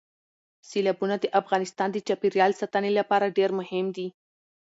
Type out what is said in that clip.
سیلابونه د افغانستان د چاپیریال ساتنې لپاره ډېر مهم دي.